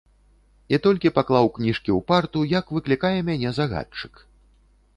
І толькі паклаў кніжкі ў парту, як выклікае мяне загадчык.